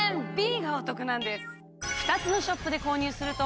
Ｂがお得なんです。